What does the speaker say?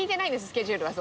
スケジュールは。